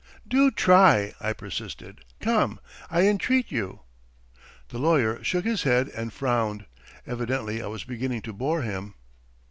... "'Do try!' I persisted. 'Come, I entreat you! "The lawyer shook his head and frowned. Evidently I was beginning to bore him.